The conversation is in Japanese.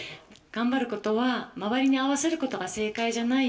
「頑張ることは周りに合わせることが正解じゃないよ」